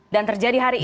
dan terjadi hari ini